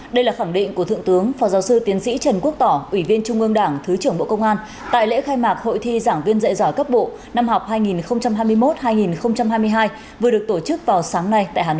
đây là khẳng định của thượng tướng phó giáo sư tiến sĩ trần quốc tỏ ủy viên trung ương đảng thứ trưởng bộ công an tại lễ khai mạc hội thi giảng viên dạy giỏi cấp bộ năm học hai nghìn hai mươi một hai nghìn hai mươi hai vừa được tổ chức vào sáng nay tại hà nội